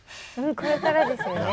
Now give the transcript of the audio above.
これからですよ。